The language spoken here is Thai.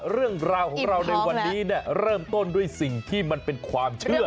เรื่องราวของเราในวันนี้เริ่มต้นด้วยสิ่งที่มันเป็นความเชื่อ